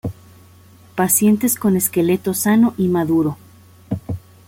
Pacientes con esqueleto sano y maduro.